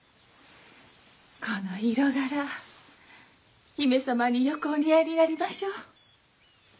この色柄姫様によくお似合いになりましょう。